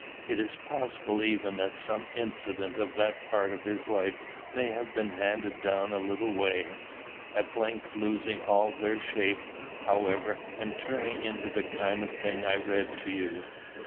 It is possible even that some incidents of that part of his life may have been handed down a little way, at length losing all their shape, however, and turning into the kind of thing I read to you.